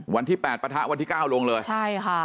วันที่๘ปะทะวันที่๙ลงเลยใช่ค่ะ